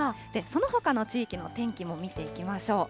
そのほかの地域の天気も見ていきましょう。